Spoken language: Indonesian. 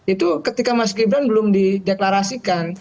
itu ketika mas gibran belum dideklarasikan